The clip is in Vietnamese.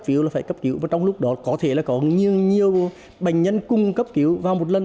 cấp kiểu là phải cấp kiểu và trong lúc đó có thể là có nhiều bệnh nhân cung cấp kiểu vào một lần